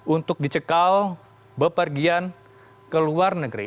untuk dicekal bepergian ke luar negeri